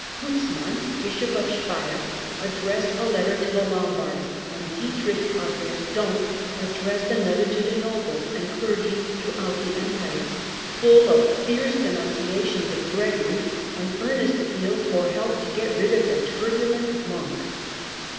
Huzman, bishop of Speier, addressed a letter to the Lombards, and Dietrich of Verdun addressed another to the nobles and clergy throughout the empire, full of fierce denunciations of Gregory and earnest appeals for help to get rid of the turbulent monk.